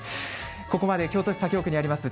ここまで京都市左京区にあります